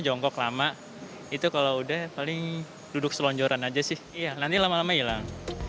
jongkok lama itu kalau udah paling duduk selonjoran aja sih iya nanti lama lama hilang